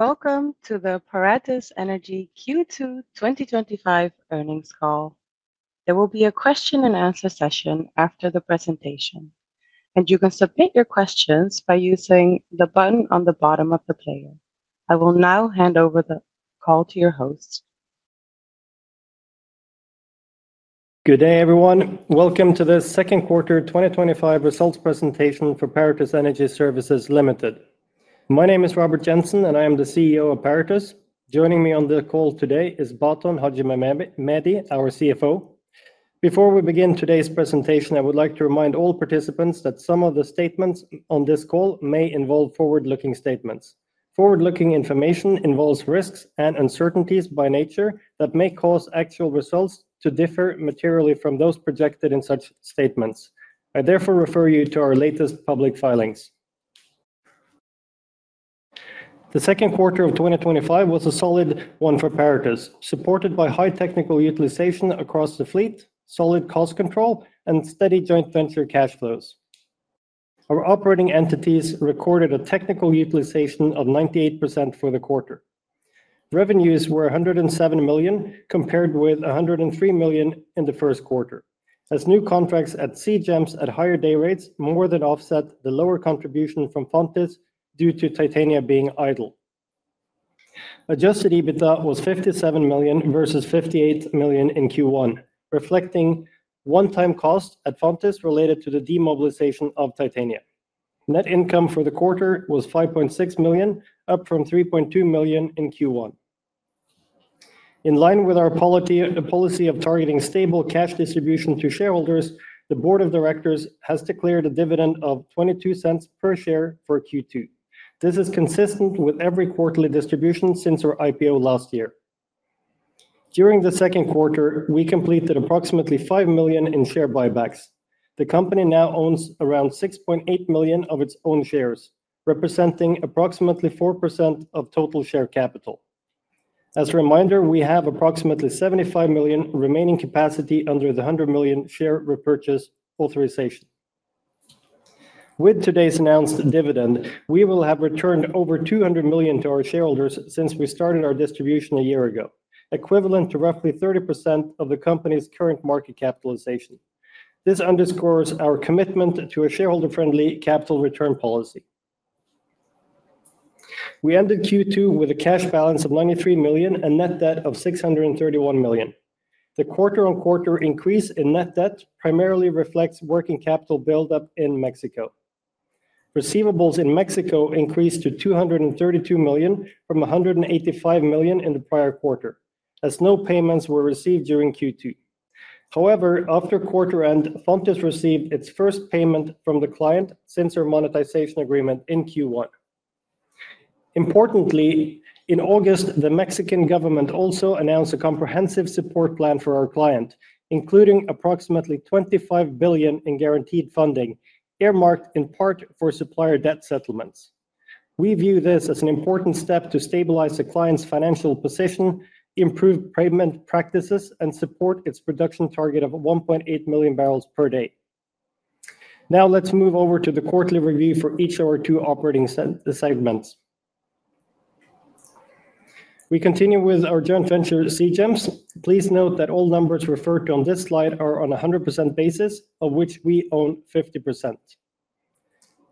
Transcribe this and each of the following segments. Welcome to the Paratus Energy Q2 2025 earnings call. There will be a question and answer session after the presentation, and you can submit your questions by using the button on the bottom of the player. I will now hand over the call to your host. Good day everyone. Welcome to the second quarter 2025 results presentation for Paratus Energy Services Ltd. My name is Robert Jensen, and I am the CEO of Paratus. Joining me on the call today is Baton Haxhimehmedi, our CFO. Before we begin today's presentation, I would like to remind all participants that some of the statements on this call may involve forward-looking statements. Forward-looking information involves risks and uncertainties by nature that may cause actual results to differ materially from those projected in such statements. I therefore refer you to our latest public filings. The second quarter of 2025 was a solid one for Paratus, supported by high technical utilization across the fleet, solid cost control, and steady joint venture cash flows. Our operating entities recorded a technical utilization of 98% for the quarter. Revenues were $107 million, compared with $103 million in the first quarter, as new contracts at SeaGems at higher day rates more than offset the lower contribution from Fontis Energy due to Titania being idle. Adjusted EBITDA was $57 million versus $58 million in Q1, reflecting one-time costs at Fontis Energy related to the demobilization of Titania. Net income for the quarter was $5.6 million, up from $3.2 million in Q1. In line with our policy of targeting stable cash distribution to shareholders, the Board of Directors has declared a dividend of $0.22 per share for Q2. This is consistent with every quarterly distribution since our IPO last year. During the second quarter, we completed approximately $5 million in share buybacks. The company now owns around $6.8 million of it's own shares, representing approximately 4% of total share capital. As a reminder, we have approximately $75 million remaining capacity under the $100 million share repurchase authorization. With today's announced dividend, we will have returned over $200 million to our shareholders since we started our distribution a year ago, equivalent to roughly 30% of the company's current market capitalization. This underscores our commitment to a shareholder-friendly capital return policy. We ended Q2 with a cash balance of $93 million and net debt of $631 million. The quarter-on-quarter increase in net debt primarily reflects working capital buildup in Mexico. Receivables in Mexico increased to $232 million from $185 million in the prior quarter, as no payments were received during Q2. However, after quarter end, Fontis received it's first payment from the client since our monetization agreement in Q1. Importantly, in August, the Mexican government also announced a comprehensive support plan for our client, including approximately $25 billion in guaranteed funding, earmarked in part for supplier debt settlements. We view this as an important step to stabilize the client's financial position, improve payment practices, and support its production target of 1.8 million barrels per day. Now, let's move over to the quarterly review for each of our two operating segments. We continue with our joint venture, SeaGems. Please note that all numbers referred to on this slide are on a 100% basis, of which we own 50%.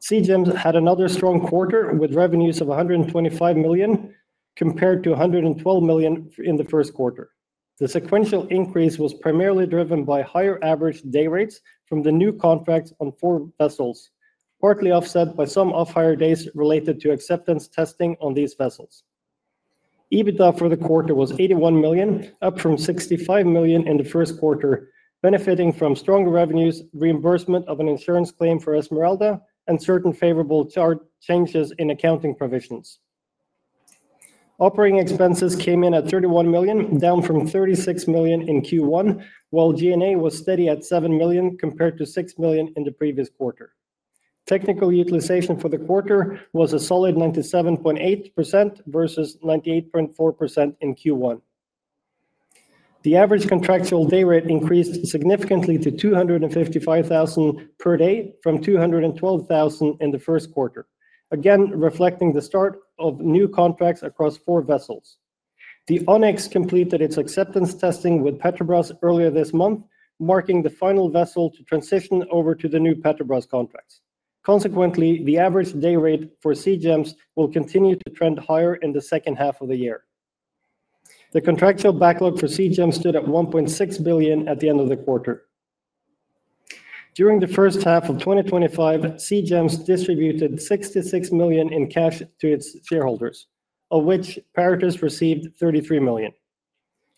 SeaGems had another strong quarter with revenues of $125 million, compared to $112 million in the first quarter. The sequential increase was primarily driven by higher average day rates from the new contracts on four vessels, partly offset by some off-hire days related to acceptance testing on these vessels. EBITDA for the quarter was $81 million, up from $65 million in the first quarter, benefiting from stronger revenues, reimbursement of an insurance claim for Esmeralda, and certain favorable charges in accounting provisions. Operating expenses came in at $31 million, down from $36 million in Q1, while G&A was steady at $7 million, compared to $6 million in the previous quarter. Technical utilization for the quarter was a solid 97.8% versus 98.4% in Q1. The average contractual day rate increased significantly to $255,000 per day, from $212,000 in the first quarter, again reflecting the start of new contracts across four vessels. The Onyx completed its acceptance testing with Petrobras earlier this month, marking the final vessel to transition over to the new Petrobras contracts. Consequently, the average day rate for SeaGems will continue to trend higher in the second half of the year. The contractual backlog for SeaGems stood at $1.6 billion at the end of the quarter. During the first half of 2025, SeaGems distributed $66 million in cash to its shareholders, of which Paratus received $33 million.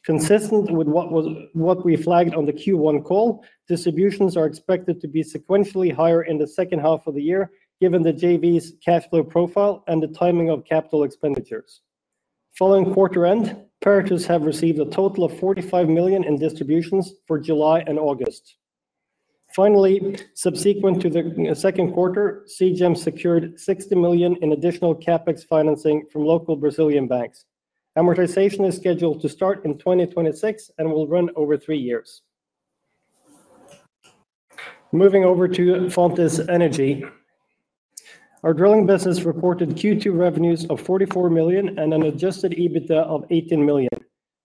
Consistent with what we flagged on the Q1 call, distributions are expected to be sequentially higher in the second half of the year, given the JV's cash flow profile and the timing of capital expenditures. Following quarter end, Paratus has received a total of $45 million in distributions for July and August. Finally, subsequent to the second quarter, SeaGems secured $60 million in additional CapEx financing from local Brazilian banks. Amortization is scheduled to start in 2026 and will run over three years. Moving over to Fontis Energy. Our drilling business reported Q2 revenues of $44 million and an adjusted EBITDA of $18 million,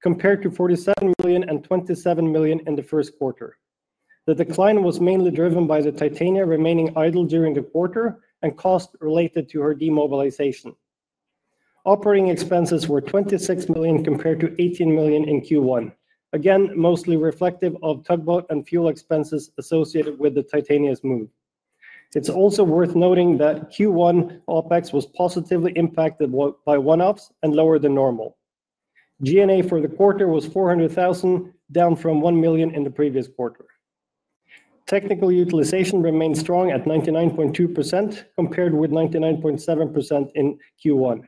compared to $47 million and $27 million in the first quarter. The decline was mainly driven by the Titania remaining idle during the quarter and costs related to her demobilization. Operating expenses were $26 million, compared to $18 million in Q1, again mostly reflective of tugboat and fuel expenses associated with the Titania's move. It's also worth noting that Q1 OpEx was positively impacted by one-offs and lower than normal. G&A for the quarter was $400,000, down from $1 million in the previous quarter. Technical utilization remained strong at 99.2%, compared with 99.7% in Q1.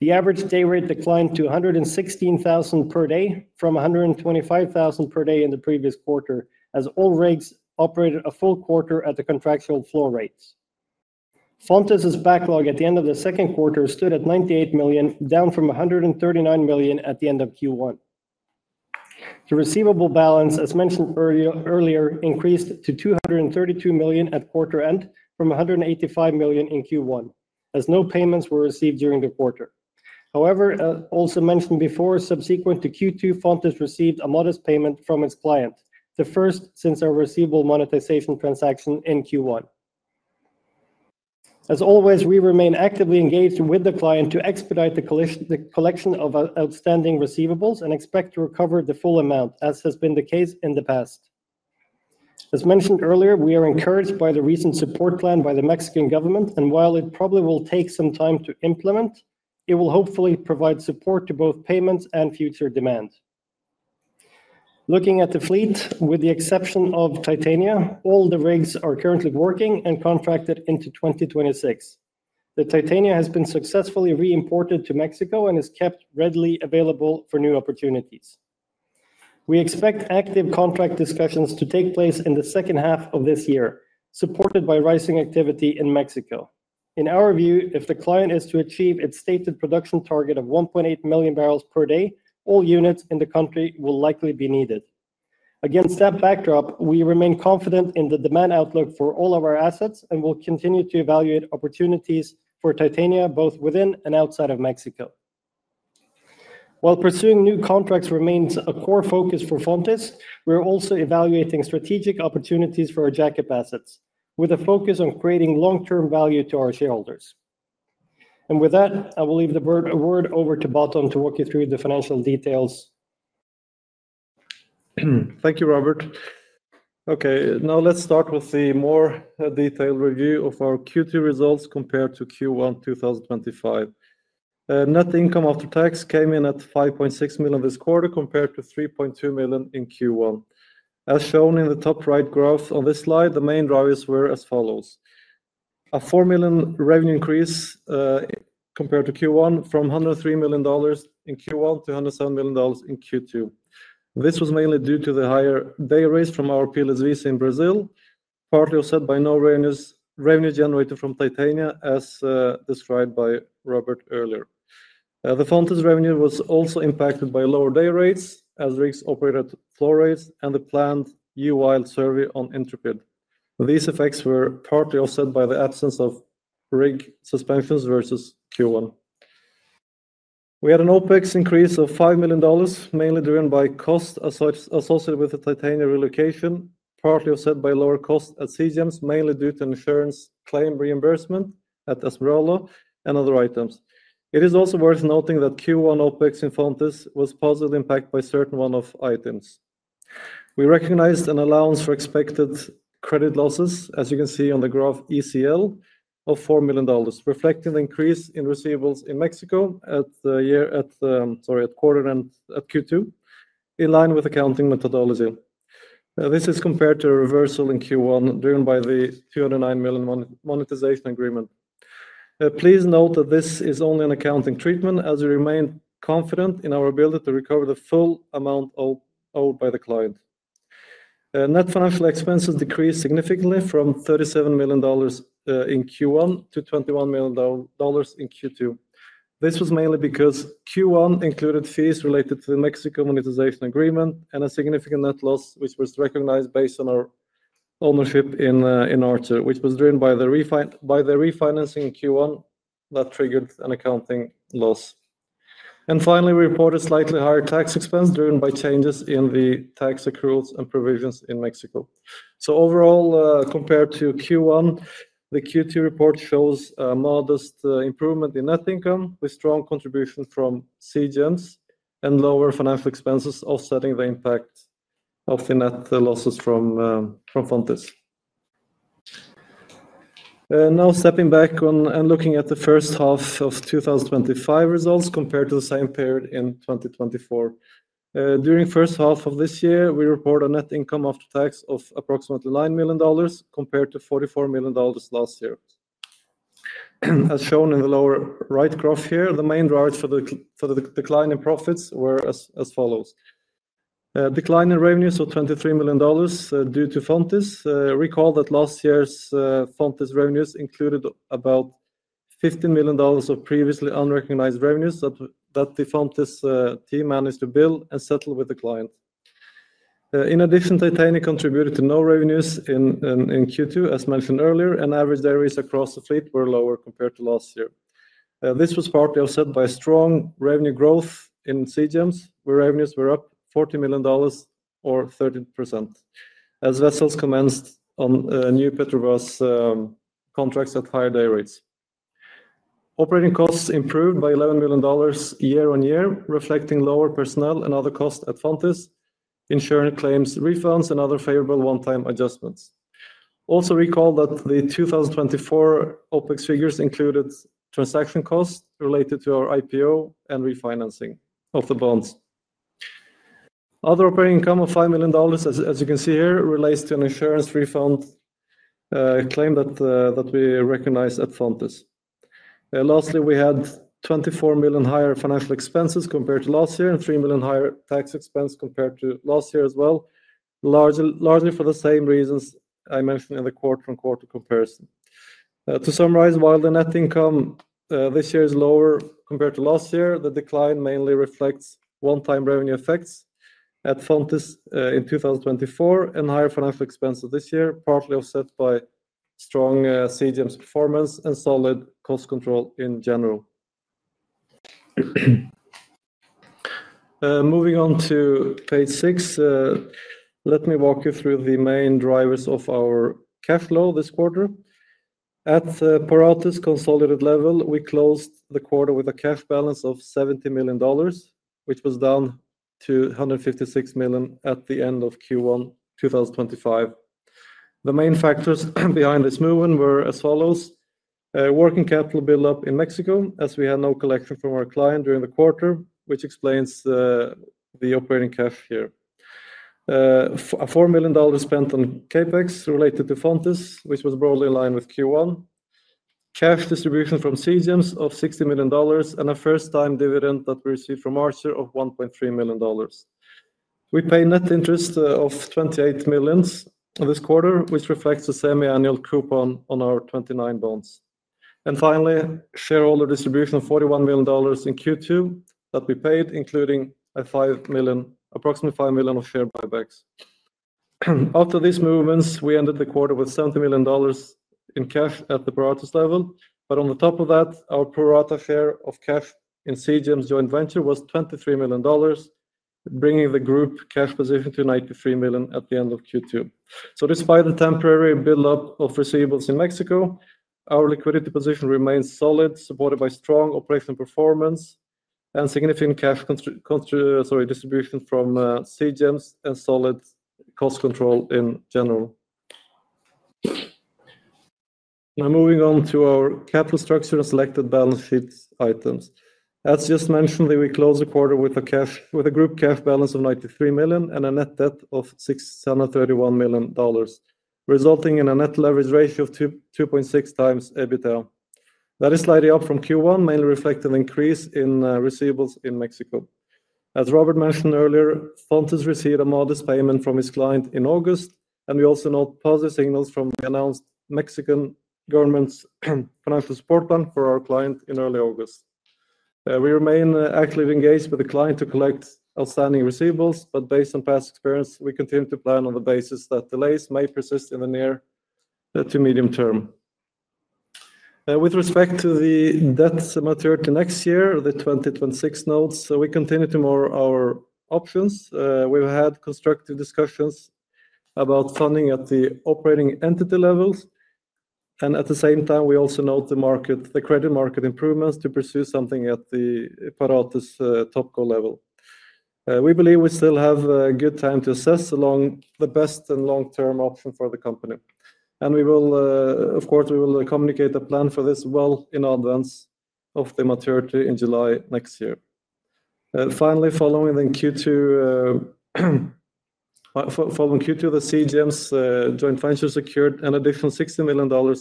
The average day rate declined to $116,000 per day, from $125,000 per day in the previous quarter, as all rigs operated a full quarter at the contractual floor rates. Fontis' backlog at the end of the second quarter stood at $98 million, down from $139 million at the end of Q1. The receivable balance, as mentioned earlier, increased to $232 million at quarter end, from $185 million in Q1, as no payments were received during the quarter. However, as also mentioned before, subsequent to Q2, Fontis received a modest payment from its client, the first since our receivable monetization transaction in Q1. As always, we remain actively engaged with the client to expedite the collection of outstanding receivables and expect to recover the full amount, as has been the case in the past. As mentioned earlier, we are encouraged by the recent support plan by the Mexican government, and while it probably will take some time to implement, it will hopefully provide support to both payments and future demand. Looking at the fleet, with the exception of Titania, all the rigs are currently working and contracted into 2026. The Titania has been successfully re-imported to Mexico and is kept readily available for new opportunities. We expect active contract discussions to take place in the second half of this year, supported by rising activity in Mexico. In our view, if the client is to achieve its stated production target of 1.8 million barrels per day, all units in the country will likely be needed. Against that backdrop, we remain confident in the demand outlook for all of our assets and will continue to evaluate opportunities for Titania, both within and outside of Mexico. While pursuing new contracts remains a core focus for Fontis, we're also evaluating strategic opportunities for our jack-up assets, with a focus on creating long-term value to our shareholders. With that, I will leave the word over to Baton to walk you through the financial details. Thank you, Robert. Okay, now let's start with the more detailed review of our Q2 results compared to Q1 2025. Net income after tax came in at $5.6 million this quarter, compared to $3.2 million in Q1. As shown in the top right graphs on this slide, the main drivers were as follows: a $4 million revenue increase compared to Q1, from $103 million in Q1 to $107 million in Q2. This was mainly due to the higher day rates from our PLSVs in Brazil, partly offset by no revenue generated from Titania, as described by Robert earlier. The Fontis revenue was also impacted by lower day rates as rigs operated at floor rates and the planned UY survey on Intrepid. These effects were partly offset by the absence of rig suspensions versus Q1. We had an OpEx increase of $5 million, mainly driven by costs associated with the Titania relocation, partly offset by lower costs at SeaGems, mainly due to insurance claim reimbursement at Esmeralda and other items. It is also worth noting that Q1 OpEx in Fontis was positively impacted by certain one-off items. We recognized an allowance for expected credit losses, as you can see on the graph ECL, of $4 million, reflecting the increase in receivables in Mexico at the quarter end at Q2, in line with accounting methodology. This is compared to a reversal in Q1 driven by the $209 million monetization agreement. Please note that this is only an accounting treatment, as we remain confident in our ability to recover the full amount owed by the client. Net financial expenses decreased significantly from $37 million in Q1 to $21 million in Q2. This was mainly because Q1 included fees related to the Mexico monetization agreement and a significant net loss, which was recognized based on our ownership in Archer Ltd., which was driven by the refinancing in Q1 that triggered an accounting loss. Finally, we reported slightly higher tax expense driven by changes in the tax accruals and provisions in Mexico. Overall, compared to Q1, the Q2 report shows a modest improvement in net income with strong contributions from SeaGems and lower financial expenses offsetting the impact of the net losses from Fontis. Now stepping back and looking at the first half of 2025 results compared to the same period in 2024. During the first half of this year, we reported a net income after tax of approximately $9 million compared to $44 million last year. As shown in the lower right graph here, the main drivers for the decline in profits were as follows: a decline in revenues of $23 million due to Fontis. Recall that last year's Fontis revenues included about $15 million of previously unrecognized revenues that the Fontis team managed to build and settle with the client. In addition, Titania contributed to no revenues in Q2, as mentioned earlier, and average day rates across the fleet were lower compared to last year. This was partly offset by strong revenue growth in SeaGems, where revenues were up $40 million or 30% as vessels commenced on new Petrobras contracts at higher day rates. Operating costs improved by $11 million year on year, reflecting lower personnel and other costs at Fontis, insurance claims, refunds, and other favorable one-time adjustments. Also, recall that the 2024 OpEx figures included transaction costs related to our IPO and refinancing of the bonds. Other operating income of $5 million, as you can see here, relates to an insurance refund claim that we recognized at Fontis. Lastly, we had $24 million higher financial expenses compared to last year and $3 million higher tax expense compared to last year as well, largely for the same reasons I mentioned in the quarter-on-quarter comparison. To summarize, while the net income this year is lower compared to last year, the decline mainly reflects one-time revenue effects at Fontis in 2024 and higher financial expenses this year, partly offset by strong SeaGems performance and solid cost control in general. Moving on to page six, let me walk you through the main drivers of our cash flow this quarter. At Paratus' consolidated level, we closed the quarter with a cash balance of $70 million, which was down to $156 million at the end of Q1 2025. The main factors behind this movement were as follows: a working capital buildup in Mexico, as we had no collection from our client during the quarter, which explains the operating cash flow here. A $4 million spent on CapEx related to Fontis, which was broadly in line with Q1. Cash distribution from SeaGems of $60 million and a first-time dividend that we received from Archer Ltd. of $1.3 million. We paid net interest of $28 million this quarter, which reflects a semi-annual coupon on our 2029 bonds. Finally, shareholder distribution of $41 million in Q2 that we paid, including approximately $5 million of share buybacks. After these movements, we ended the quarter with $70 million in cash at the Paratus level. On top of that, our pro rata share of cash in SeaGems' joint venture was $23 million, bringing the group cash position to $93 million at the end of Q2. Despite the temporary buildup of receivables in Mexico, our liquidity position remains solid, supported by strong operational performance and significant cash distribution from SeaGems and solid cost control in general. Now moving on to our capital structure and selected balance sheet items. As just mentioned, we closed the quarter with a group cash balance of $93 million and a net debt of $631 million, resulting in a net leverage ratio of 2.6 times EBITDA. That is slightly up from Q1, mainly reflected in an increase in receivables in Mexico. As Robert mentioned earlier, Fontis received a modest payment from its client in August, and we also note positive signals from the announced Mexican government's financial support plan for our client in early August. We remain actively engaged with the client to collect outstanding receivables, but based on past experience, we continue to plan on the basis that delays may persist in the near to medium term. With respect to the debt maturity next year, the 2026 notes, we continue to move our options. We've had constructive discussions about funding at the operating entity levels, and at the same time, we also note the credit market improvements to pursue something at the Paratus topco level. We believe we still have a good time to assess along the best and long-term option for the company, and we will, of course, communicate a plan for this well in advance of the maturity in July next year. Following Q2, the SeaGems joint venture secured an additional $60 million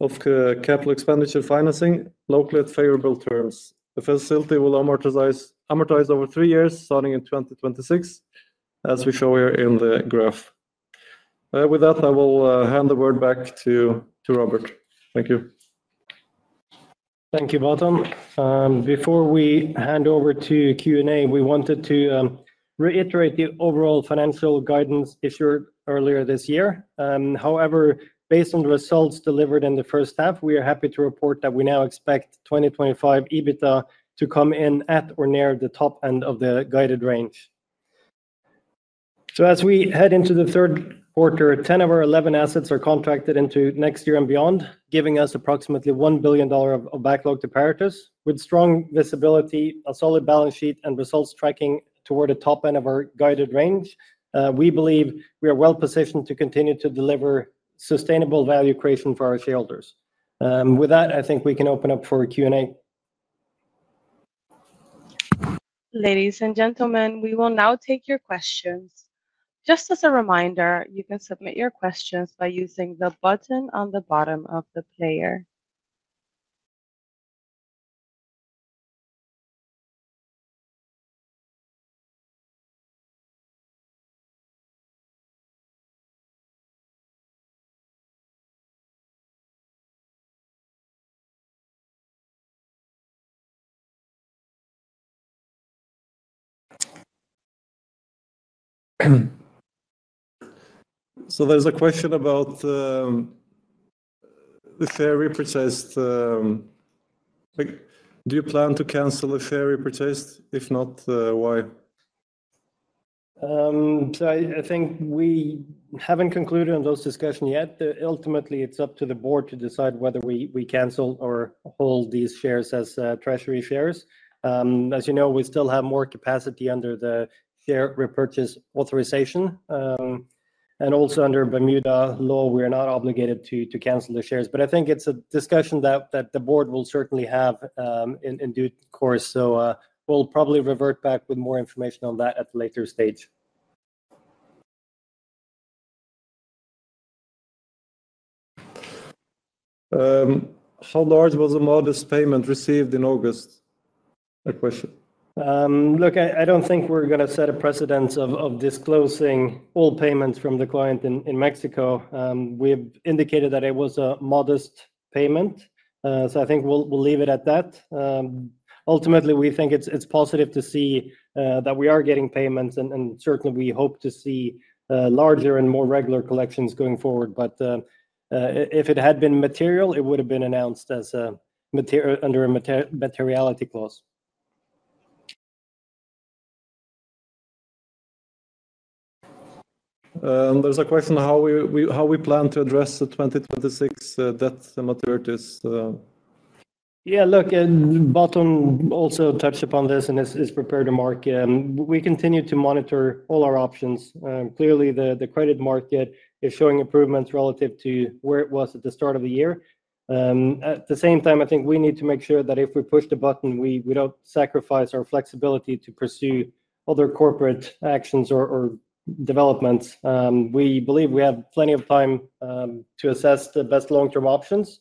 of capital expenditure financing locally at favorable terms. The facility will amortize over three years, starting in 2026, as we show here in the graph. With that, I will hand the word back to Robert. Thank you. Thank you, Baton. Before we hand over to Q&A, we wanted to reiterate the overall financial guidance issued earlier this year. However, based on the results delivered in the first half, we are happy to report that we now expect 2025 adjusted EBITDA to come in at or near the top end of the guided range. As we head into the third quarter, 10 of our 11 assets are contracted into next year and beyond, giving us approximately $1 billion of contractual backlog to Paratus. With strong visibility, a solid balance sheet, and results tracking toward the top end of our guided range, we believe we are well positioned to continue to deliver sustainable value creation for our shareholders. With that, I think we can open up for Q&A. Ladies and gentlemen, we will now take your questions. Just as a reminder, you can submit your questions by using the button on the bottom of the player. There's a question about the share repurchase. Do you plan to cancel the share repurchase? If not, why? I think we haven't concluded on those discussions yet. Ultimately, it's up to the board to decide whether we cancel or hold these shares as treasury shares. As you know, we still have more capacity under the share repurchase authorization, and also under Bermuda law, we are not obligated to cancel the shares. I think it's a discussion that the board will certainly have in due course, so we'll probably revert back with more information on that at a later stage. How large was the modest payment received in August? Look, I don't think we're going to set a precedent of disclosing all payments from the client in Mexico. We've indicated that it was a modest payment, so I think we'll leave it at that. Ultimately, we think it's positive to see that we are getting payments, and certainly we hope to see larger and more regular collections going forward. If it had been material, it would have been announced under a materiality clause. There's a question on how we plan to address the 2026 debt maturities. Yeah, look, Baton also touched upon this and is prepared to mark. We continue to monitor all our options. Clearly, the credit market is showing improvements relative to where it was at the start of the year. At the same time, I think we need to make sure that if we push the button, we don't sacrifice our flexibility to pursue other corporate actions or developments. We believe we have plenty of time to assess the best long-term options.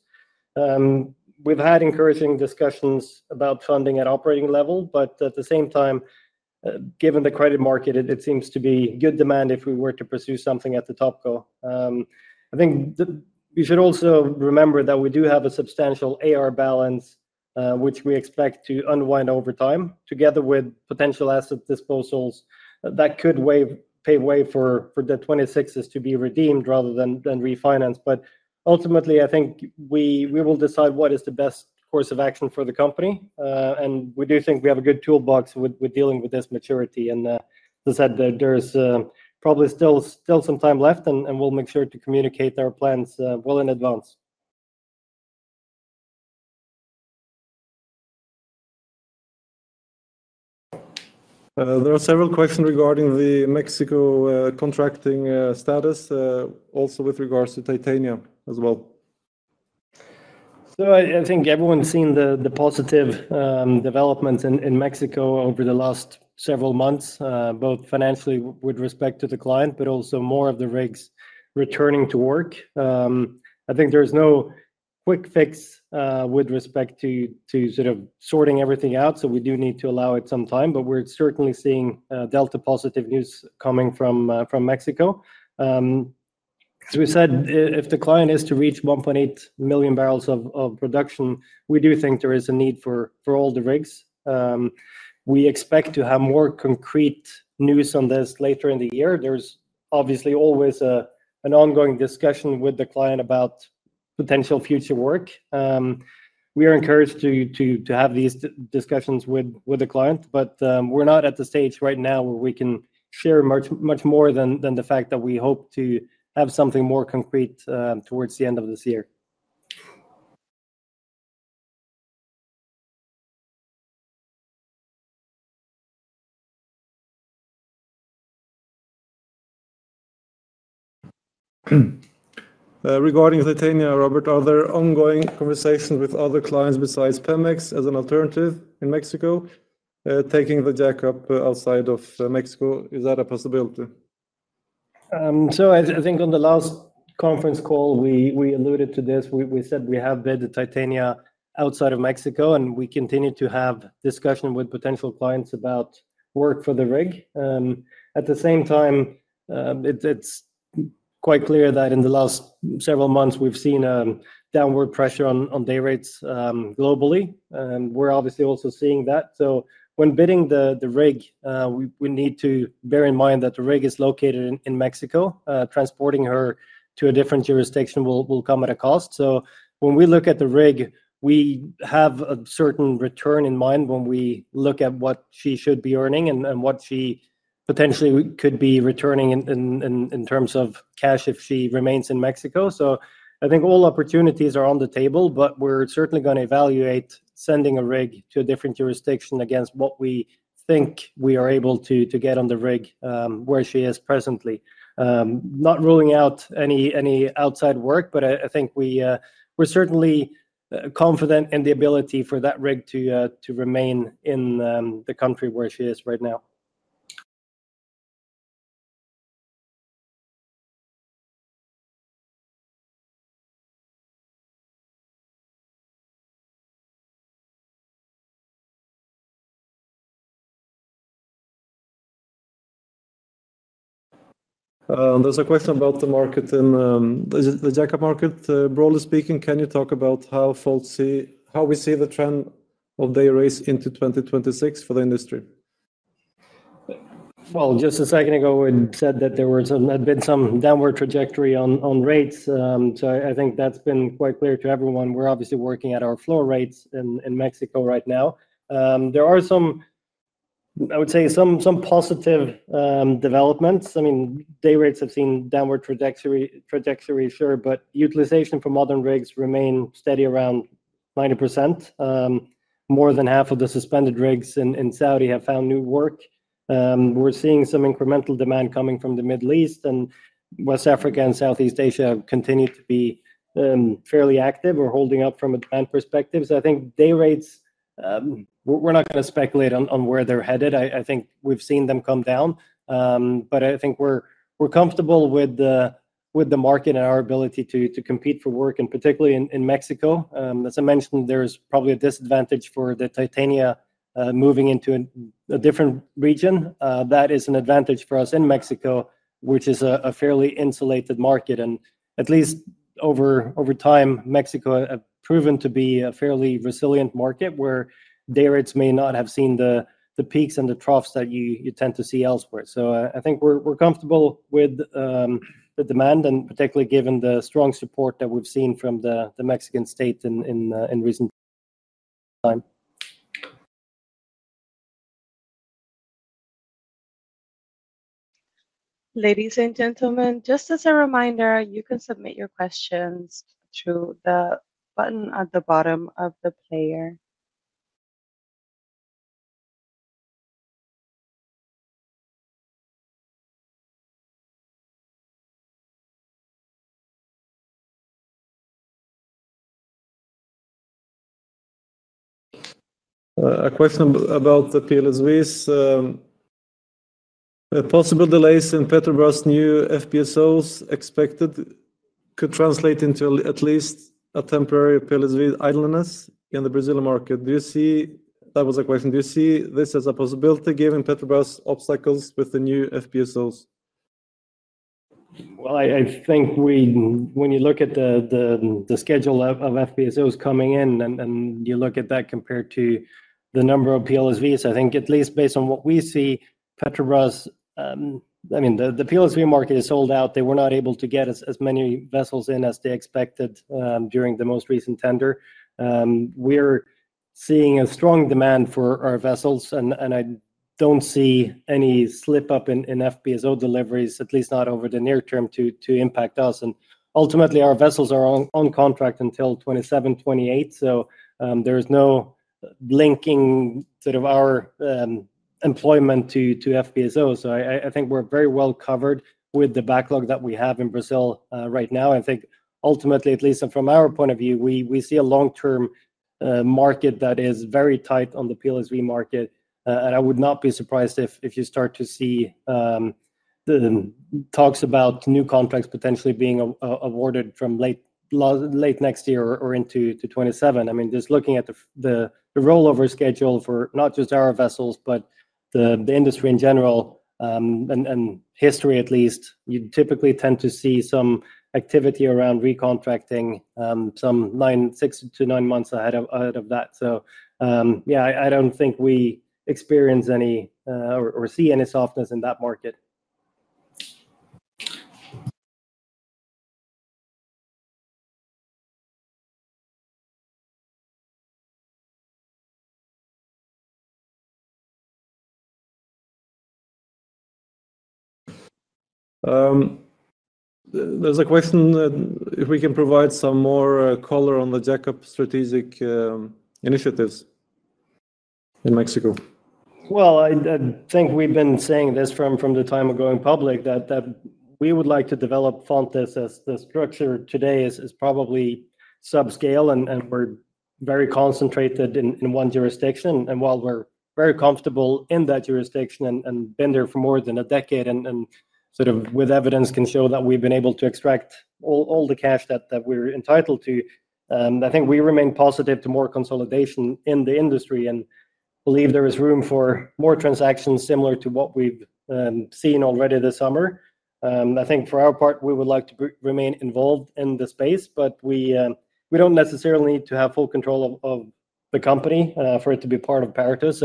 We've had encouraging discussions about funding at operating level, but at the same time, given the credit market, it seems to be good demand if we were to pursue something at the top goal. I think you should also remember that we do have a substantial AR balance, which we expect to unwind over time, together with potential asset disposals that could pave way for the 2026s to be redeemed rather than refinanced. Ultimately, I think we will decide what is the best course of action for the company, and we do think we have a good toolbox with dealing with this maturity. As I said, there is probably still some time left, and we'll make sure to communicate our plans well in advance. There are several questions regarding the Mexico contracting status, also with regards to Titania as well. I think everyone's seen the positive developments in Mexico over the last several months, both financially with respect to the client, but also more of the rigs returning to work. I think there's no quick fix with respect to sort of sorting everything out, so we do need to allow it some time, but we're certainly seeing delta positive news coming from Mexico. As we said, if the client is to reach 1.8 million barrels of production, we do think there is a need for all the rigs. We expect to have more concrete news on this later in the year. There's obviously always an ongoing discussion with the client about potential future work. We are encouraged to have these discussions with the client, but we're not at the stage right now where we can share much more than the fact that we hope to have something more concrete towards the end of this year. Regarding Titania, Robert, are there ongoing conversations with other clients besides Pemex as an alternative in Mexico, taking the jack-up outside of Mexico? Is that a possibility? I think on the last conference call, we alluded to this. We said we have bid Titania outside of Mexico, and we continue to have discussions with potential clients about work for the rig. At the same time, it's quite clear that in the last several months, we've seen downward pressure on day rates globally. We're obviously also seeing that. When bidding the rig, we need to bear in mind that the rig is located in Mexico. Transporting her to a different jurisdiction will come at a cost. When we look at the rig, we have a certain return in mind when we look at what she should be earning and what she potentially could be returning in terms of cash if she remains in Mexico. I think all opportunities are on the table, but we're certainly going to evaluate sending a rig to a different jurisdiction against what we think we are able to get on the rig where she is presently. Not ruling out any outside work, but I think we're certainly confident in the ability for that rig to remain in the country where she is right now. There's a question about the market in the jack-up market. Broadly speaking, can you talk about how we see the trend of day rates into 2026 for the industry? Just a second ago, we said that there had been some downward trajectory on rates. I think that's been quite clear to everyone. We're obviously working at our floor rates in Mexico right now. There are some, I would say, some positive developments. I mean, day rates have seen downward trajectory, sure, but utilization for modern rigs remains steady around 90%. More than half of the suspended rigs in Saudi have found new work. We're seeing some incremental demand coming from the Middle East, and West Africa and Southeast Asia continue to be fairly active. We're holding up from a demand perspective. I think day rates, we're not going to speculate on where they're headed. I think we've seen them come down, but I think we're comfortable with the market and our ability to compete for work, and particularly in Mexico. As I mentioned, there's probably a disadvantage for the Titania moving into a different region. That is an advantage for us in Mexico, which is a fairly insulated market. At least over time, Mexico has proven to be a fairly resilient market where day rates may not have seen the peaks and the troughs that you tend to see elsewhere. I think we're comfortable with the demand, and particularly given the strong support that we've seen from the Mexican state in recent time. Ladies and gentlemen, just as a reminder, you can submit your questions through the button at the bottom of the player. A question about the multi-purpose pipe-laying support vessels. Possible delays in Petrobras' new FPSOs expected could translate into at least a temporary multi-purpose pipe-laying support vessel idleness in the Brazilian market. That was a question. Do you see this as a possibility, given Petrobras' obstacles with the new FPSOs? I think when you look at the schedule of FPSOs coming in and you look at that compared to the number of PLSVs, I think at least based on what we see, Petrobras, the PLSV market is sold out. They were not able to get as many vessels in as they expected during the most recent tender. We're seeing a strong demand for our vessels, and I don't see any slip-up in FPSO deliveries, at least not over the near term, to impact us. Ultimately, our vessels are on contract until 2027, 2028, so there's no blinking sort of our employment to FPSO. I think we're very well covered with the backlog that we have in Brazil right now. I think ultimately, at least from our point of view, we see a long-term market that is very tight on the PLSV market, and I would not be surprised if you start to see the talks about new contracts potentially being awarded from late next year or into 2027. Just looking at the rollover schedule for not just our vessels, but the industry in general, and history at least, you typically tend to see some activity around recontracting some six to nine months ahead of that. I don't think we experience any or see any softness in that market. There's a question if we can provide some more color on the jack-up strategic initiatives in Mexico. I think we've been saying this from the time of going public that we would like to develop Fontis as the structure today is probably subscale, and we're very concentrated in one jurisdiction. While we're very comfortable in that jurisdiction and been there for more than a decade, and with evidence can show that we've been able to extract all the cash that we're entitled to, I think we remain positive to more consolidation in the industry and believe there is room for more transactions similar to what we've seen already this summer. I think for our part, we would like to remain involved in the space, but we don't necessarily need to have full control of the company for it to be part of Paratus.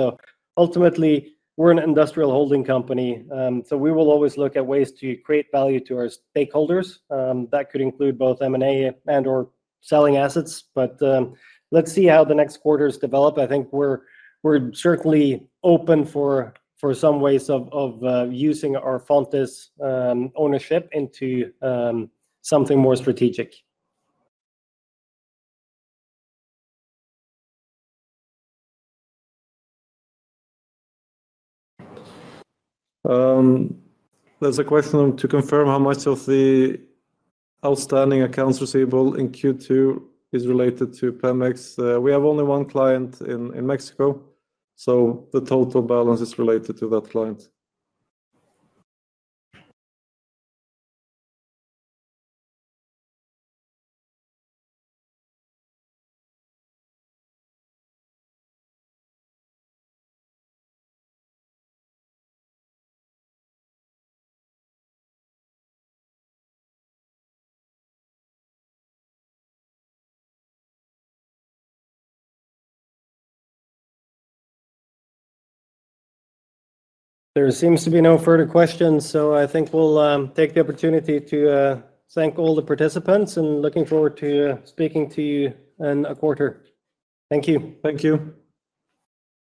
Ultimately, we're an industrial holding company, so we will always look at ways to create value to our stakeholders. That could include both M&A and/or selling assets, but let's see how the next quarters develop. I think we're certainly open for some ways of using our Fontis ownership into something more strategic. There's a question to confirm how much of the outstanding accounts receivable in Q2 is related to Pemex. We have only one client in Mexico, so the total balance is related to that client. There seems to be no further questions. I think we'll take the opportunity to thank all the participants and looking forward to speaking to you in a quarter. Thank you. Thank you.